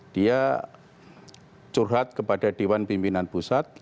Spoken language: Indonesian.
dia curhat kepada dewan pimpinan pusat